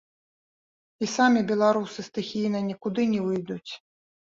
І самі беларусы стыхійна нікуды не выйдуць.